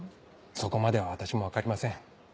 そこまでは私も分かりません。